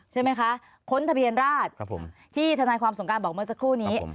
ใช่ไหมคะค้นทะเบียนราชที่ธนายความสงการบอกเมื่อสักครู่นี้